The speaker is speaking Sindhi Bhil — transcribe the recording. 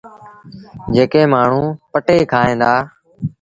جيڪو مآڻهوٚݩ پٽي کائيٚݩ دآ۔